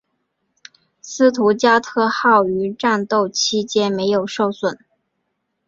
斯图加特号于战斗期间没有受损。